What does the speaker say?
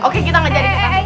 oke kita gak jadi ke kantin